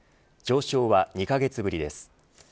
上昇は２カ月ぶりです。